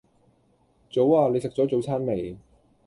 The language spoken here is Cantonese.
早呀！你食左早餐未